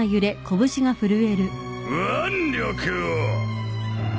腕力を。